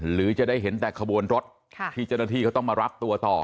หรือจะได้เห็นแต่ขบวนรถที่เจ้าหน้าที่เขาต้องมารับตัวต่อ